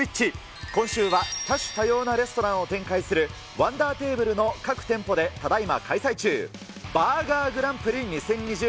今週は多種多様なレストランを展開するワンダーテーブルの各店舗でただいま開催中、バーガーグランプリ２０２２。